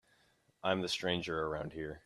I'm the stranger around here.